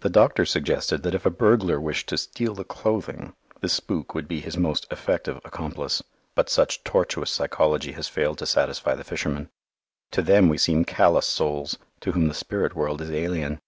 The doctor suggested that if a burglar wished to steal the clothing, this spook would be his most effective accomplice, but such tortuous psychology has failed to satisfy the fishermen. To them we seem callous souls, to whom the spirit world is alien.